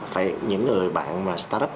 phải những người bạn startup